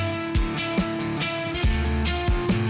melalaikan waktu sholat